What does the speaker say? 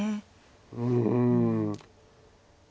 うん。